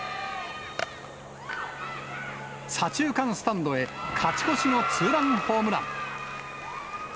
左中間スタンドへ、勝ち越しのツーランホームラン。